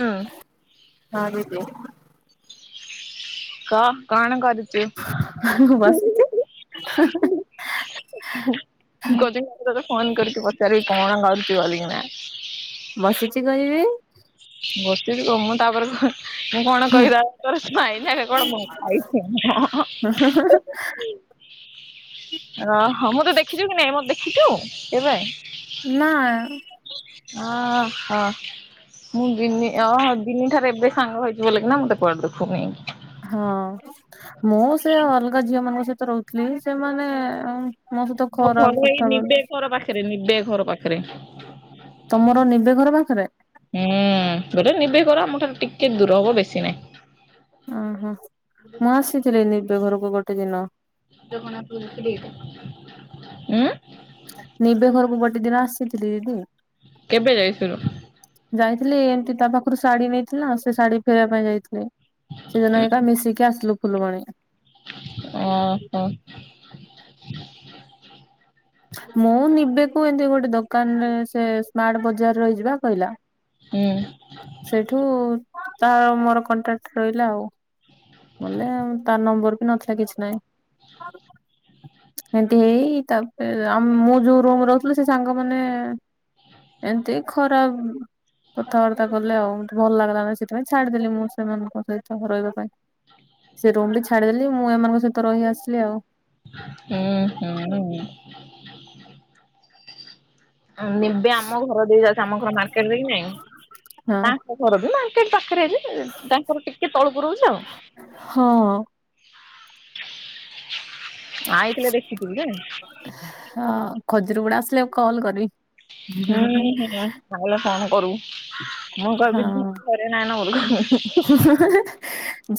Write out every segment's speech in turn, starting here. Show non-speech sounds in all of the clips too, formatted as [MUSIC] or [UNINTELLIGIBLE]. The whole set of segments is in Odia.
ହୁଁ ହଁ ଦିଦି। କହ କଣ କରୁଚୁ? ମୁଁ ବସିଛି କହୁଚି ମୁଁ ତତେ ଫୋନ କରିକି ପଚାରିବି କଣ କରୁଚୁ ବୋଲି କିନା। ବସିଚି କହିବି। ବସିଚୁ କଣ ମୁଁ ତାପରେ କ ମୁଁ କଣ କହିବି ତାପରେ ତୁ ଆଇ ନା ବେ କଣ ମୋ ଆଇ ତୁ। ଉଁହୁଁ ହୁଁ ହୁଁ। ଅହୋ ମତେ ଦେଖିଛୁ କି ନାଇଁ ମତେ ଦେଖିଛୁ ଏବେ। ନା। ଅ ହଁ ମୁଁ ଜିମି ଅ ହ ଜିମି ଥରେ ଏବେ। ସାଙ୍ଗ ହେଇଯିବି ବୋଲେ କି ନା ମତେ କୁଆଡ ଦେଖୁନି ହଁ ମୁଁ ସେ ଅଲଗା ଝିଅମାନଙ୍କ ସହିତ ରହୁଥିଲି ସେମାନେ ସହିତ ମୋ ଖରାପ ଘଲ ହେଇ କଥାବାର୍ତ୍ତା ନିବେ ଘର ପାଖରେ ନିବେ ଘର ପାଖରେ। ତମର ନିବେ ଘର ପାଖରେ। ହୁଁ ଗୋଟେ ନିବେ ଘର ଆମ ଠାରୁ ଟିକେ ଦୂର ହବ ବେଶୀ ନାହିଁ। ଓହୋ ମୁଁ ଆସିଥିଲି ନିବେ ଘରକୁ ଗୋଟେ ଦିନ। ଜଣା ପଡ଼ୁଚି କି ଉୁଁ ନିବେ ଘରକୁ ଗୋଟିେ ଦିନ ଆସିଥିଲି ଦିଦି। କେବେ ଯାଇଥିଲୁ? ଯାଇଥିଲି ଏମିତି ତା ପାଖରୁ ଶାଢୀ ନେଇଥିଲା ନାଆ ସେ ଶାଢୀ ଫେରିବା ପାଇଁ ଯାଇଥିଲି। ସେଦିନ ଏକା ମିଶିକି ଆସିଲୁ ଫୁଲବାଣୀ। ଓହୋ। ମୁଁ ନିବେକୁ ଏମିତି ଗୋଟେ ଦୋକାନରେ ସେ ସ୍ମାର୍ଟ ବଜାରରେ ରହିଯିବା କହିଲା। ହୁଁ। ସେଇଠୁ ତାର ମୋର କଣ୍ଟ୍ରାକ୍ଟ ରହିଲା ଆଉ। ନଲେ ତାର ନମ୍ବର ବି ନଥିଲା କିଛି ନହିଁ। ଏମତି ହେଇ ତାପରେ ମୁଁ ଯୋଉ ରୁମରେ ରହୁଥିଲି ସେ ସାଙ୍ଗମାନେ ଏମତି ଖରାପ କଥାବାର୍ତ୍ତ ବାର୍ତ୍ତା କଲେ ଆଉେ ଭଲ ଲାଗିଲାାନ ସେଥିପାଇଁ ଛାଡିଦେଲି ମୁଁ ସେମାନଙ୍କ ସହିତ ରହିବା ପାଇଁ। ସେ ରୁମ ବି ଛାଡିଦେଲି ମୁଁ ଏମାନଙ୍କ ସହିତ ରହି ଆସିଲି ଆଉ। ହୁଁ। ହୁଁ ଉଁ। ନିବେ ଆମ ଘର ଦେଇ ଯାଉଚି ଆମ ଘର ମାର୍କେଟରେ କି ନାଇଁ। ହଁ ଆମ ଘର ବି ମାର୍କେଟ ପାଖରେ ଯେ ତାଙ୍କର ଟିକେ ତଳକୁ ରହୁଛି ଆଉ। ହଁ [INAUDIBLE] ଦେଖିଥିବି ଯେ। ହଁ ଖଜୁର ଗୁଡା ଆସିଲେ କଲ କରିବି। ହୁଁ ହୁଁ ଆଇଲେ ଫୋନ୍ କରିବୁ ମୁଁ କହିବି [UNINTELLIGIBLE] ହଁ ସେ ନାନ ଘରକୁ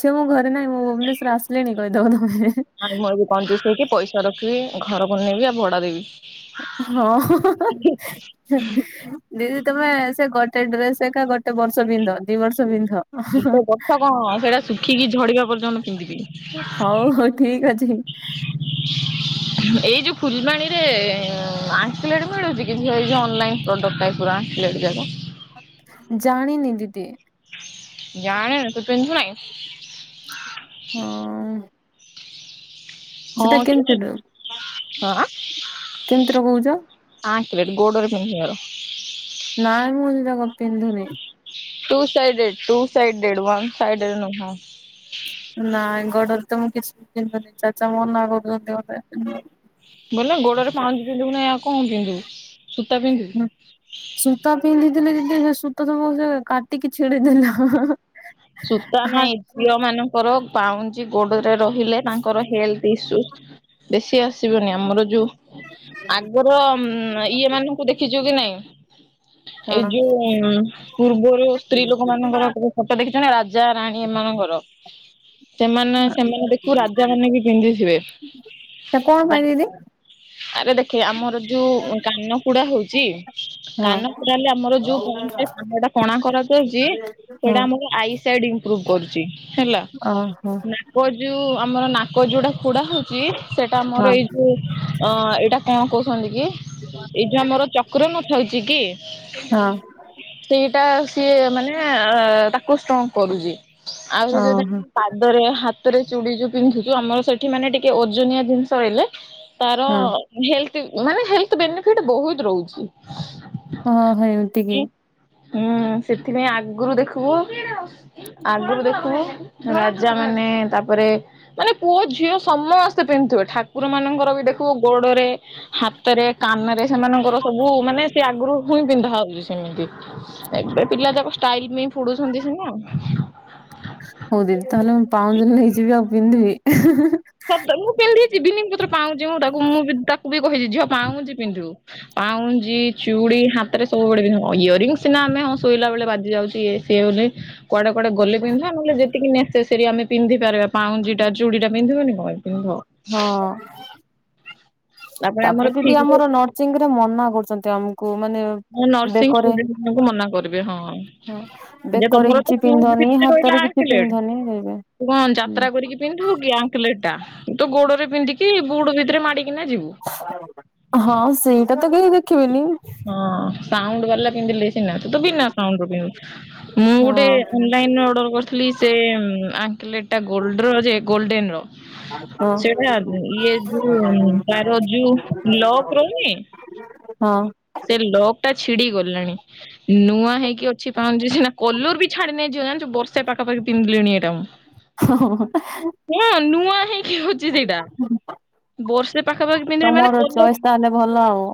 ଝିଅ ମୁଁ ଘରେ ନାହିଁ ମୁଁ ଭୁବନେସ୍ୱର ଆସିଲିଣି କହିଦବ ତମେ। ଆମ ଘରକୁ [UNINTELLIGIBLE] ପଇସା ରଖିବି ଘର ବନେଇବି ଆଉ ଭଡା ଦେବି। ହଁ। ଦିଦି ତମେ ସେ ଗୋଟେ ଡ୍ରେସ ଏକ ଏକା ଗୋଟେ ବର୍ଷ ପିନ୍ଧ ଦି ବର୍ଷ ପିନ୍ଧ। ଏ ବତକ ସେଇଟା ଶୁଖିକି ଝଡିବା ପର୍ଯ୍ୟନ୍ତ ପିନ୍ଧିବି। [UNINTELLIGIBLE] ଠିକ୍ ଅଛି। ଏଇ ଯୋଉ ଫୁଲବାଣୀରେ ଆସିଲେଟ ମିଳୁଛି କି ଏଇ ଯୋଉ ଅନଲାଇନ ପ୍ରଡକ୍ଟ ଟାଇପ୍? ପ୍ରାନ୍ସଲେଟ ଜାଗ। ଜାଣିନି ଦିଦି। ଜାଣିନୁ ତୁ ପିନ୍ଧୁ ନାଇଁ। ହଁ। ସେଟା ହଁ କେମିତି କି। ଆଁ ଆ କିମିତି ରଗୁଛ। ଆ କି ବେବି ଗୋଡ଼ରେ ପିନ୍ଧିବାର। ନାଇଁ ମୁଁ ସେଯାକ ପିନ୍ଧୁନି। ଟୁ ସାଇଡ଼୍‌ ଡ଼େଡ଼୍‌ ଟୁ ସାଇଡ଼୍‌ ଡ଼େଡ଼୍‌ ଦେଢ଼ସାଇଡ଼େଡ଼୍‌ ନୁହଁ। ନାଇଁ ଗଡ଼ରେ ତ ମୁଁ କିଛି ପିନ୍ଧୁନି। ଚାଚା ମନା କରୁଥିଲେ ପିନ୍ଧିବା ପାଇଁ [UNINTELLIGIBLE] [INAUDIBLE] ବୋଲେ ଗୋଡରେ ପାଉଚିଂ ପିନ୍ଧିବୁ ନାହିଁ ଆଉ କଣ ପିନ୍ଧିବୁ ସୂତା ପିନ୍ଧିବୁ। ହୁଁ। ସୂତା ପିନ୍ଧିଥିଲି ଦିଦି ସେ ସୂତା ସବୁ ସେ କାଟିକି ଛିଡିେଇଦେଲା ଆଃ ଆଃ। ସୂତା ନାଇଁ ଝିଅ ମାନଙ୍କର ପାଉଁଜି ଗୋଡରେ ରହିଲେ ତାଙ୍କର ହେଲର୍ଥ ଇସ୍ୟୁ ବେଶୀ ଆସିବନି। ଆମର ଯୋଉ ଆଗର ଇଏ ମାନଙ୍କୁ ଦେଖିଛୁ କି ନାଇଁ! ଏଇ କଣ ଯୋଉ ପୂର୍ବରୁ ସ୍ତ୍ରୀ ଲୋକ ମାନଙ୍କର ଫୋଟ ଦେଖୁଛୁ ରାଜା ରାଣୀ ଏମାନଙ୍କର। ସେମାନେ ସେମାନେ ଦେଖିବୁ ରାଜା ମାନେ ବି ପିନ୍ଧିଥିବେ। ସେ କଣ ରା ପାଇଁ ଦିଦି ଆରେ ଦେଖେ ଆମର ଯୋଉ କାନ ପୁଡା ହଉଛି। ହଁ କାନ ପୁଡ଼ା ହେଲେ ଆମର ଯୋଉ ପଉଁଜି ରେ କାନଟା କଣା କରାଯାଉଛି। ହଁ। ଆଇସାଇଟ୍‌ ଇମ୍ପ୍ରୋବ୍ କରୁଛି ହେଲା। ଓହୋ ନା ଉପରେ ଯୋଉ ଆମର ନାକ ଯୋଉଟା ଫୁଡ଼ା ହଉଛି। ସେଟା ହଁ ଆମର ଏଇ ଯୋଉ ଅ ଏଇଟା କଣ କହୁଛନ୍ତି କି! ଏଇ ଯଉ ଆମର ଚକ୍ର ନଥାଉଛି କି ହଁ ସେଇଟା ସିଏ ମାନେ ଏଁ ଏ ତାକୁ ଷ୍ଟ୍ରଙ୍ଗ କରୁଛି। ଆଉ ସେ ଓହୋ ଯୋଉ ପାଦରେ ହାତରେ ଚୁଡ଼ି ଯୋ ପିନ୍ଧୁଛୁ। ଆମର ସେଠି ମାନେ ଟିକେ ଓଜନିଆ ଜିନିଷ ହେଲେ ତାର ହଁ। ହେଲ୍ର୍ଥ ମାନେ ହେଲ୍ର୍ଥ ବେନିଫିଟ୍‌ ବହୁତ ରହୁଛି। ହଁ ହେଉ ଏତିକି। ହୁଁ ସେଥିପାଇଁ ଆଗରୁ ଦେଖିବୁ ଆଗରୁ ଦେଖିବୁ ରାଜା ମାନେ ତାପରେ ମାନେ ପୁଅ ଝିଅ ସମସ୍ତେ ପିନ୍ଧୁଥିବେ ଠାକୁର ମାନଙ୍କର ବି ଦେଖିବୁ ଗୋଡରେ ହାତରେ, କାନରେ ସେମାନଙ୍କର ସବୁ ମାନେ ସେ ଆଗରୁ ହୁଁ ପିନ୍ଧା ହଉଛି ସେମିତି। ଏବେ ପିଲାଯାକ ଟାଇଲ୍ ପାଇଁ ପୁଡୁଛନ୍ତି ସିନା ହଉ, ଦିିଦି ତାହେଲେ ମୁଁ ପାଉଁଜି ନେଇଯିବି ଆଉ ପିନ୍ଧିବି। [UNINTELLIGIBLE] ସତ ମୁଁ ପିନ୍ଧିଛି ବିିନି ପତ୍ର ପାଉଁଜି। ମୁଁ ତାକୁ ମୁଁ ବି ତାକୁ ବି କହିଛି ଝିଅ ପାଉଁଜି ପିନ୍ଧିବୁ। ପାଉଁଜି, ଚୁଡ଼ି ହାତରେ, ସବୁବେଳେ ପିନ୍ଧିବୁ। ହଁଇୟରିଙ୍ଗ ସିନା ଆମେ ହଁ ଶୋଇଲା ବେଳେ ବାଜି ଯାଉଛି ଇଏ। ପିଉଲି କୁଆଡ଼େ କୁଆଡ଼େ ଗଲେ ପିନ୍ଧିବା। ନେହଲେ ଯେତିକି ନେସେସରି ଆମେ ପିନ୍ଧିପାରିବା ପାଉଁଜିଟା ଚୁଡ଼ିଟା ପିନ୍ଧିବନି। ହଇ ପିନ୍ଧ। ହଁ। [INAUDIBLE] ଆମର ତାପରେ ଯଦି ଫିଙ୍ଗର ଆମର ନର୍ଥ ସୁଟିଂ ରେ ମନା କରୁଚନ୍ତି ଆମକୁ ମାନେ ମୁଁ ନର୍ସିଂ ବେକରେ ଷ୍ଟୁଡେଣ୍ଟ ମାନଙ୍କୁ ମନା କରିବି ହଁ ଯେ ବେକରେ ତମର ତ କିଛି ସୁଜ ପିନ୍ଧନି ଭିତରେ ରହିଲା ହାତରେ କି କିଛି ଆଙ୍କଲେଟ ପିନ୍ଧନି କହିବେ। ତୁ କଣ ଯାତ୍ରା କରିକି ପିନ୍ଧୁ କି ଆଙ୍କଲେଟ୍ ଟା, ତୁ ଗୋଡରେ ପିନ୍ଧିକି ବୁଡ୍ ଭିତରେ ମାଡିକି ହଁ ସେଇଟା ତ କେହି ଦେଖିବେନି। ହଁ ସାଉଣ୍ଡ ବାଲା କିିନ୍ଧିଲେ ସିନା ତୁ ବିନା ସାଉଣ୍ଡ ରେ ପିନ୍ଧୁ ମୁଁ ଗୋଟେ ହଁ। ଅନଲାଇନ୍ ରେ ଅଡର୍ କରିଥିଲି। ସେ ଆଙ୍କ୍ଲେଟ୍ ଟା ଗୋଲ୍ଡର ଯେ ଗୋଲ୍ଡେନ ର। ହ ସେଇଟା ଇଏ ଯୋଉ ତାର ଯୋଉ ଲକ୍ ରହୁନି [UNINTELLIGIBLE] ହଁ। ସେ ଲକ୍ ଟା ଛିଡି ଗଲାଣି। ନୂଆ ହେଇକି ଅଛି ପାଉଁଜି ସିନା କଲର ବି ଛାଡି ନେଇ ଯି ଯୋଉ ବର୍ଷେପାଖା ପାଖି ପିନ୍ଧିଲିଣି ଏଇଟା ମୁଁ। [UNINTELLIGIBLE] ହଁ ନୂଆ ହେଇ କିଅଛି ସେଇଟା ବର୍ଷେ ପାଖାପାଖି ପିନ୍ଧିଲି ମାନେ ତମର କଲର ଚଏସ୍ ତାହେଲେ ଭଲ ଆଉ।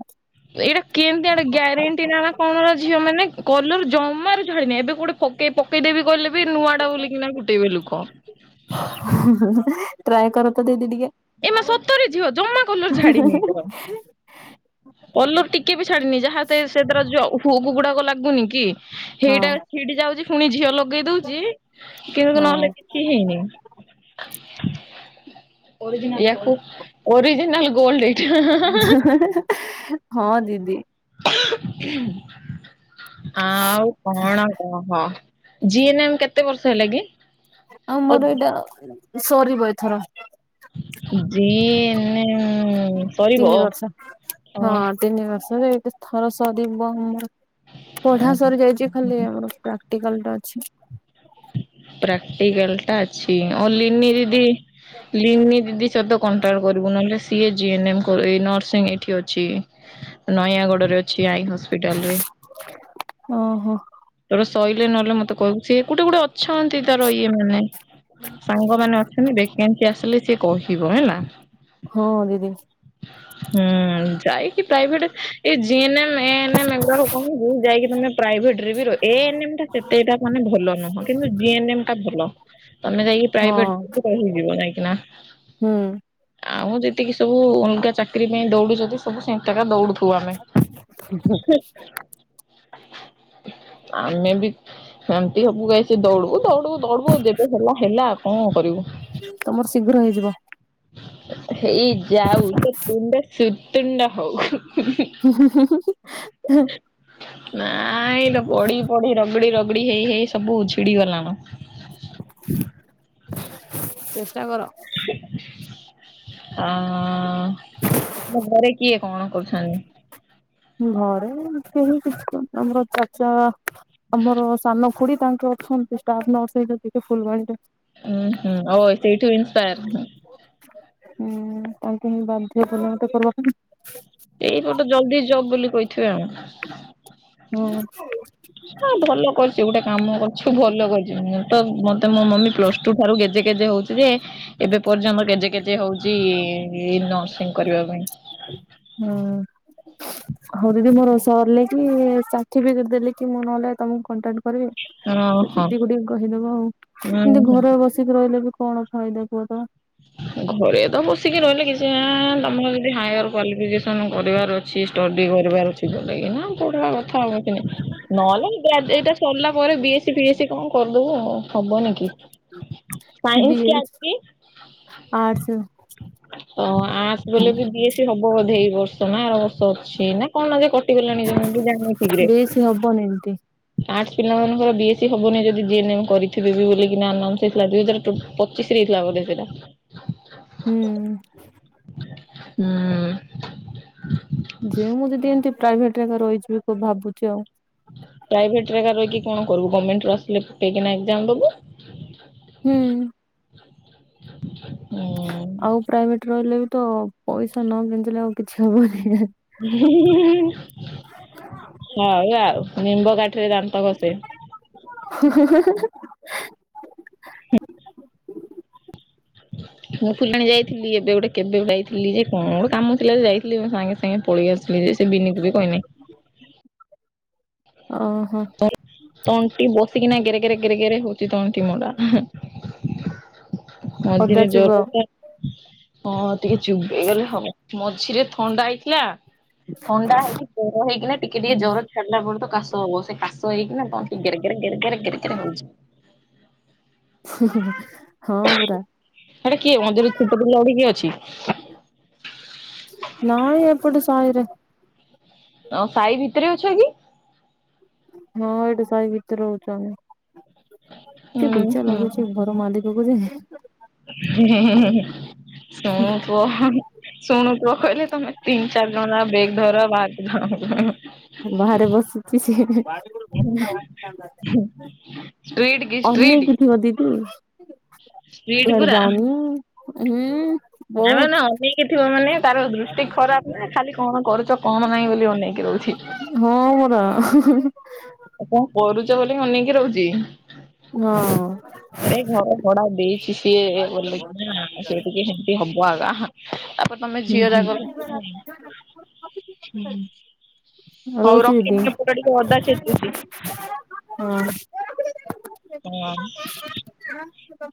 ଏଇଟା କେମିତି ଆଡେ ଗ୍ୟାରେଣ୍ଟି ନା ନା କଣର ଝିଅ ମାନେ କଲର ଜମାରୁ ଛାଡିନି ଏବେ ଗୋଟେ ପକେଇ ପକେଇଦେବି କହିଲେ ବି ନୂଆ ଟା ବୋଲିକିନା ଗୋଟେଇବେ ଲୋକ। [UNINTELLIGIBLE] ଟ୍ରାଏ କର ତ ଦିଦି ଟିକେ। ଏମା ସତର ଝିଅ ଜମା କଲର ଛାଡିନା ଏଇଟା ର। କଲର ଟିକେ ବି ଛାଡିନି ଯାହା ସେ ସେଇଥିରେ ଯୋଉ ହୁଗ୍ ଗୁଡାକ ଲାଗୁନି କି ହଁ ସେଇଟା ଛିଡି ଯାଉଚି ପୁଣି ଝିଅ ଲଗେଇ ଦଉଚି କିନ୍ତୁ ହଁ। ନହେଲେ କିଛି ହେଇନି। ଏଆକୁ ଓରିଜିନାଲ ଗୋଲଡ୍ ଇଏ। [UNINTELLIGIBLE] ହଁ ଦିଦି। ଆଉ କଣ କହ? ଝିଅ ଏନୁ କେତେ ବର୍ଷ ହେଲା କି? ଆଉ ଓ ମୋର ଏଇଟା ସରିବ ଏଥର। ଜିଏ ମ୍ ତିନି ବର୍ଷ ହଁ। ଓହୋ ତିନି ବର୍ଷରେ ଏଥର ସରିବ ଆମର ପଢା ସରି ଯାଇଚି। ଖାଲି ଆମର ପ୍ରାକ୍ଟିକାଲ୍ ଟା ଅଛି। ପ୍ରାକ୍ଟିକାଲ୍ ଟା ଅଛି ଆଉ ଲିନି ଦିଦି ଲିନି ଦିଦି ସବକ୍ କଣ୍ଟା ଆଉ କରିବୁ ନହେଲେ ସିଏ ଜିଏନେମ୍ ଏଇ ନର୍ସିଂ ଏଇଠି ଅଛି ନୟାଗଡ଼ରେ ଅଛି ଆଇ ହସ୍ପ୍ ହସ୍ପିଟାଲରେ ଓହୋ ସେଟୁ ସଇଲେ ନଲେ ମତେ କଇବୁ ସିଏ ଗୋଟେ ଗୋଟେ ଅଛନ୍ତି ତାର ଇଏ ମାନେ ସାଙ୍ଗମାନେ ଅ ଆଚୁଆଲି ଦେଖ୍ କେମିତି ଆସିଲେ ସିଏ କହିବ ହେଲା? ହଁ ଯିବି। ହୁଁ ଯାଇକି ପ୍ରାଇଭେଟ୍ ଏ ଜିଏ ନେ ଏମ୍ ଏ ଏନ୍ ଏମ ଯାଇକି ତମେ ପ୍ରାଇଭେଟ୍ ରେ ବି ରହି ଏ ଏନେ ଏମ୍ ଟା ସେତେ ଏଇଟା ମାନେ ଭଲ। ନୁହଁ କିନ୍ତୁ ଜିଏନେ ଏମ ଟା ଭଲ ତମେ ଯାଇକି ହଁ ପ୍ରାଇଭେଟରେ ରହିଯିବ ଯାଇକିନା। ହୁଁ। ଆଉ ଯେତିକି ସବୁ ଅଲଗା ଚାକିରି ପାଇଁ ଦୌଡୁ ସବୁ। ସବୁ ସେଣ୍ଟ ରେ ଦୌଡୁ ଥିବୁ ଆମେ। ଆମେ ବି। ଏ ହବୁକାଇସେ ଦୌଡି଼ବୁ ଦୌଡି଼ବୁ ଦୌଡି଼ବୁ ଯେବେ ହେଲା ହେଲା ଆ କଣ କରିବୁ? ତମର ଶୀଘ୍ର ହେଇଯିବ। ହେଇ ଯାଉ। ତ ତୁଣ୍ଡା ସୁତୁଣ୍ଡ ହଉ। ହଁ। ନାଇ ଲୋ ପଢି଼ ପଢି଼ ରଗଡି଼ ରଗଡି଼ ହେଇ ହେଇ ସବୁ ଛିଡି଼ ଗଲାନ। ଚେଷ୍ଟା କର। ଅଁ ତମ ଘରେ କିଏ କଣ କରୁଛନ୍ତି? ଘରେ କେହି କିଛି କନ ଆମର ଚାଚା ଆମର ସାନ ଖୁଡି଼ ତାଙ୍କର ଅଛନ୍ତି ଷ୍ଟାଫ୍ ନର୍ସ ଟିକେ ଫୁଲବାଣୀରେ। ହୁଁ ହୁଁ। ଓହୋ ସେଇଠୁ ଇସ୍ପାୟର। ହୁଁ। ଆଉ ତମ ବାଧ୍ୟ କଲ ମତେ କରବାପାଇଁ। ଏଇ ଗୋଟେ ଜଲ୍ଦି ଜବ୍ ବୋଲି କହିଥିବେ ଆଉ। ହଁ। ହଁ ଭଲ କରିଛି ଗୁଟେ କାମ କରୁଛିୁ ଭଲ କରିଛି। ମୁଁ ତ ମତେ ମୋ ମମି ପ୍ଲସ ଟୁ ଠାରୁ ଗେଜେ ଗେଜେ ହଉଛି। ଯେ ଏବେ ପର୍ଯ୍ୟନ୍ତ କେଜେ କେଜେ ହଉଛି ନର୍ସିଂ କରିବା ପାଇଁ। ହଁ। ହଉ ଦିଦି ମୋର ସରିଲେ କି ସାର୍ଟିଫିକେଟ ଦେଲେ କି ମୁଁ ନହଲେ ତମକୁ କଣ୍ଟାକ୍ଟ କରିବି। ସେ ଓହୋ ଦିଦକୁ ଟିକେ କହିଦବ ଆଉ। ଉଁ ଏମତି ହୁଁ। ଘରେ ବସିକି ରହିଲେ ବି କଣ ଖାଇଦା କୁହ ତ? ଘରେ ତ ବସିକି ରହିଲେ କିଛିଁ ତମର ଯଦ ହାୟାର କାଲିଫିକେସନ କରିବାର ଅଛି ଷ୍ଟଡି କରିବାର ଅଛି ବୋଲେ କିନା ପଢ଼ବା କଥା ଆଉ କିଛି ନାଇ। ନହେଲେ ଏଇଟା ସରିଲା ପରେ ବିଏସ୍ ସି ଫିଏସ୍ ସ କଣ କରିଦବୁ ଆଉ। ହବନି କି? ସାଇନ୍ସ କି ଅଜି? ଆର୍ଟସ୍। ତ ଆର୍ଟସ୍ ବଲେ ବି ବିଏ ସ ହବ ବୋଧେ ବର୍ଷ ନା ଆର ବର୍ଷ ଅଛି ନା କଣ ନା ଯେ ଟି ଗଲାଣି ଯେ ମୁଁ ବି ଜାଣିନି ଠିକ୍ ରେ। ବେଶୀ ହବନି ଏମତି ଆର୍ଟସ୍ ପିଲାମାନଙ୍କର ବି ଏସ୍ ସି ହବନି ଯଦି ଜି ଏନ୍ ଏମ୍ କରିିଥିବେ ବି ବୋଲିକିନା ନନ୍ସ ହେଇଥିଲା ଦୁଇ ହଜାର ଚ ପ ଚିଶ୍ ରେ ହେଇଥିଲା ବୋଧେ ସେଟା। ହୁଁ। ହୁଁ। ଯେ ମୁଁ ଦିଦି ଏମିତି ପ୍ରାଇଭେଟରେ ଏକା ରହିଛିି କ ଭାବୁଛି ଆଉ। ପ୍ରାଇଭେଟରେ ରହିକି କଣ କରିବୁ? ଗଭର୍ଣ୍ଣମେଣ୍ଟ ର ଆସିଲେ ପକେଇ କିନା ଏକ୍ଜାମ ଦବୁ। ହୁଁ। ହୁଁ ଆଉ ପ୍ରାଇଭେଟ୍ ରହିଲେ ବି ତ ପଇସା ନ ଗେଞ୍ଜିଲେ ଆଉ କିଛି ହବନି। ହଉ ଆଉ ନିମ୍ବ କାଠିରେ ଦାନ୍ତ ଘଷେ। ହଁଁ ହଁ ହଁ ମୁଁ ଫୁଲାଣି ଯାଇଥିଲି ଏବେ ଗୋଟେ କେବେ ଯାଇଥିଲି ଯେ କଣ ଗୋଟେ କାମ ଥିଲା ଯେ ଯାଇଥିଲି ମୋ ସାଙ୍ଗେ ସାଙ୍ଗେ ସାଙ୍ଗେ ପଳେଇ ଆସିବି ଯେ ସେ ବିିନିକୁ ବି କହିନାହିଁ। ଓହୋ। ତଣ୍ଟି ବସିକିନା ଗେରେ ଗେରେ ଗେରେ ଗେରେ ହଉଛି ତଣ୍ଟି ମୋ ଟା। ଅଦା ମଝିରେ ଚୁବ ଜର ତ ହଁ ଟିକେ ଚୁବେଇ ଗଲେ ହବ। ମଝିରେ ଥଣ୍ଡା ହେଇଥିଲା। ଥଣ୍ଡା ହେଇକି ଜର ହେଇକିନା ଟିକେ ଟିକେ ଜରଛାଡି଼ଲା ପର୍ଯ୍ୟନ୍ତ କାଶ ହବ। ସେ କାଶ ଶୋଇକିନା ତଣ୍ଟି ଗେରେ ଗେରେ ଗେରେ ଗେରେ ଗେରେ ଗେରେ ହଉଛି। ହ ସେଟା କିଏ ମଝିରେ ଛୋଟ ପିଲା ଗୋଟେ କିିଏ ଅଛି? ନାଇଁ ଏପଟେ ସାଇରେ। ଆଉ ସାହି ଭିତରେ ଅଛ କି? ହଁ ଏଇଠି ସାଇ ଭିତରେ ରହୁନ୍ତିଛ। ଉଁ ହୁଁ ହେଁ ଯେ ହେଁ ହେଁ। ସୁଣୁ ପୁଅ। ଶୁଣୁ ପୁଅ କହିଲେ ତମେ ତିନି ଚାରି ଜଣ ଯାକ ବେଗ ଧର ବାହାରି ଯା ବାହାରେ ବସିଛି ସିଏ। ଷ୍ଟ୍ରିଟ୍ କି ଷ୍ଟ୍ରିଟ୍ ଅନେଇକି ଥିବ ଦିଦି। ଷ୍ଟ୍ରିଟ୍ ଇଆଡେ ଯାଉନି ହୁଁ। ନା ବହୁତ ନା ଅନେକି ଥିବ ମାନେ ତାର ଦୃଷ୍ଟି ଖରାପ ନା ଖାଲି। କଣ କରୁଛ କଣ ନାହିଁ ବୋଲି ଅନେଇକି ରହୁଛି। ହଁ ପରା। ଆଉ କଣ କରୁଛ ବୋଲି ଅନେଇକି ରହୁଛି ଆରେ ଘର। ଖରା ଦେଇଛି। ସଏ ଇଏ ବୋଲି କିନା ସେ ଟିକେ ସେମିତି ହବ ଏକା ତାପରେ ତମେ ହୁଁ ଝିଅ ଯାକ। ହୁଁ। ହଉ ରଖିନି ଏ ପଟେ ଟିକେ ଅଦା ଛେଚୁଛି। ହ ହଁ। ହଁ। ହଁ।